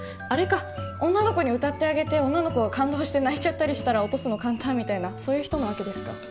あれか女の子に歌ってあげて女の子が感動して泣いちゃったりしたら落とすの簡単みたいなそういう人なわけですか？